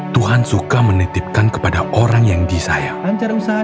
tuhan suka menitipkan kepada orang yang disayang